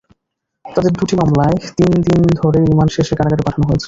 তাঁদের দুটি মামলায় তিন দিন করে রিমান্ড শেষে কারাগারে পাঠানো হয়েছে।